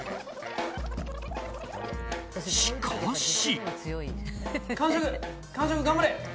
しかし。